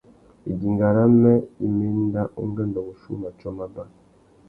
Idinga râmê i mà enda ungüêndô wuchiuwú matiō mábá.